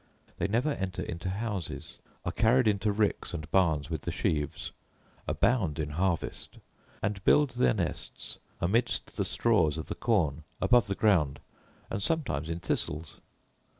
They never enter into houses; are carried into ricks and barns with the sheaves; abound in harvest, and build their nests amidst the straws of the corn above the ground, and sometimes in thistles.